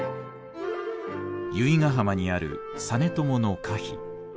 由比ヶ浜にある実朝の歌碑。